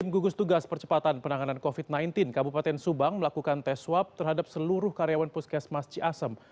gugus tugas percepatan penanganan covid sembilan belas kabupaten subang melakukan tes swab terhadap seluruh karyawan puskesmas ciasem